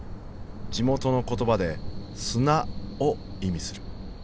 地元の言葉で「砂」を意味する。